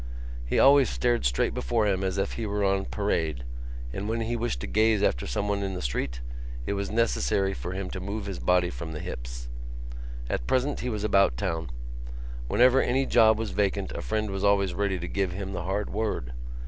He always stared straight before him as if he were on parade and, when he wished to gaze after someone in the street, it was necessary for him to move his body from the hips. At present he was about town. Whenever any job was vacant a friend was always ready to give him the hard word.